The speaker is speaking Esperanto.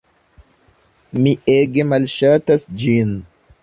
Mi ege malŝatas ĝin.